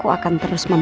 dan karakter simpuk